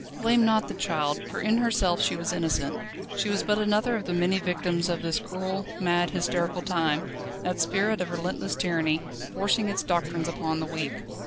Blame not the child, for in herself she was innocent. She was but another of the many victims of this cruel, mad, hysterical time, that spirit of relentless tyranny, forcing its doctrines upon the weak.